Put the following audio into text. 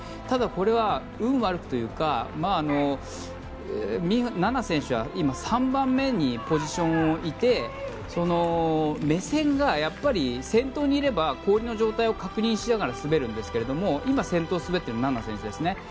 ただ、これは運悪くというか菜那選手は今、３番目にポジションがいて目線が先頭にいれば氷の状態を確認しながら滑るんですが今、先頭を滑っているのは菜那選手ですね。